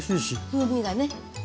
風味がね。